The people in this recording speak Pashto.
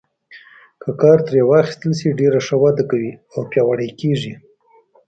که کار ترې واخیستل شي ډېره ښه وده کوي او پیاوړي کیږي.